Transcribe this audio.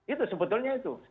itu sebetulnya itu